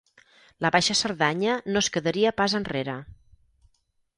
La Baixa Cerdanya no es quedaria pas enrere.